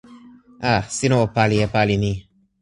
a. sina o pali e pali ni!